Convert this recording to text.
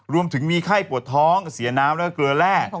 รวมถึงมีไข้ปวดท้องเสียน้ำแล้วก็เกลือแร่